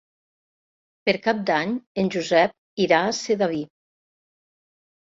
Per Cap d'Any en Josep irà a Sedaví.